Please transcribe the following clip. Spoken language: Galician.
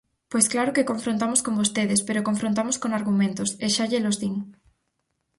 Pois claro que confrontamos con vostedes, pero confrontamos con argumentos, e xa llelos din.